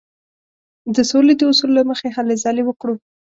د سولې د اصولو له مخې هلې ځلې وکړو.